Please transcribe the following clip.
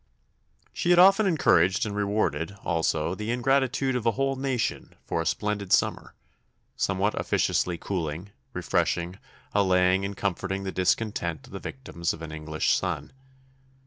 She had often encouraged and rewarded, also, the ingratitude of a whole nation for a splendid summer, somewhat officiously cooling, refreshing, allaying, and comforting the discontent of the victims of an English sun.